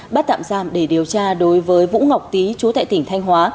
bắt tạm giam để điều tra đối với vũ ngọc tý chú tại tỉnh thanh hóa